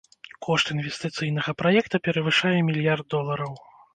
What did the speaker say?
Кошт інвестыцыйнага праекта перавышае мільярд долараў.